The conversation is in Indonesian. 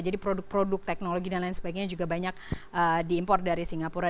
jadi produk produk teknologi dan lain sebagainya juga banyak diimpor dari singapura